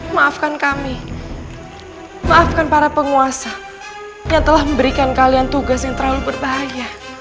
maafkan kami maafkan para penguasa yang telah memberikan kalian tugas yang terlalu berbahagia